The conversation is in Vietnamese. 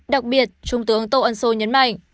đặc biệt trung tướng tô ân sô nhấn mạnh